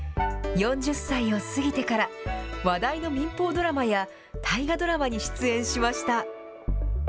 ４０歳を過ぎてから、話題の民放ドラマや大河ドラマに出演しました。